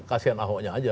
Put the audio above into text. kasian ahoknya aja